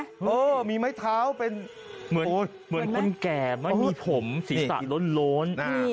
เออมีไม้เท้าเป็นโอ้ยเหมือนคนแก่มั้ยมีผมศีรษะโล้นโล้นนี่